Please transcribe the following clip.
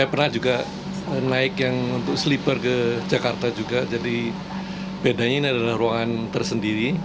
saya pernah juga naik yang untuk sleeper ke jakarta juga jadi bedanya ini adalah ruangan tersendiri